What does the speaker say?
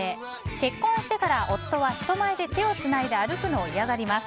結婚してから夫は人前で手をつないで歩くのを嫌がります。